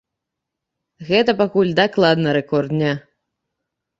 Гэта пакуль дакладна рэкорд дня.